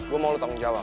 gua mau lu tanggung jawab